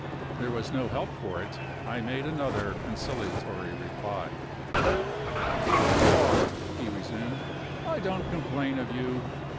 There was no help for it I made another conciliatory reply. "So far," he resumed, "I don't complain of you.